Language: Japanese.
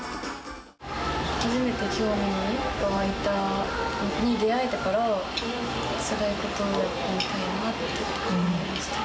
初めて興味が湧いたものに出会えたから、つらいことでもやってみたいなって思いました。